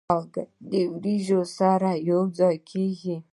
هګۍ د وریجو سره یو ځای کېږي.